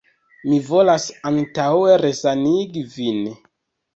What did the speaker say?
Mi volas antaŭe resanigi vin.